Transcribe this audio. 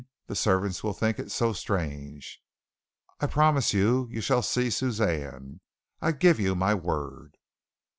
The servants will think it so strange. I promise you you shall see Suzanne. I give you my word."